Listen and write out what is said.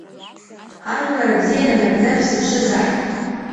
Ажәлар абзиара нагӡа шәзыԥшызааит!